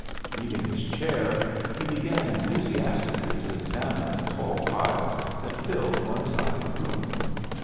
Leaving his chair, he began enthusiastically to examine the tall piles that filled one side of the room.